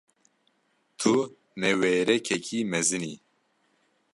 Tu newêrekekî mezin î.